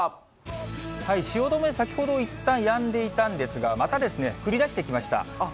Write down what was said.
汐留、先ほどいったんやんでいたんですが、また降りだしてきました。